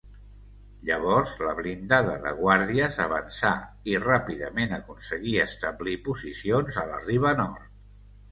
Llavors, la Blindada de Guàrdies avançà i ràpidament aconseguí establir posicions a la riba nord.